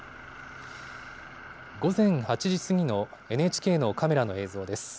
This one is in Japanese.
午前８時過ぎのＮＨＫのカメラの映像です。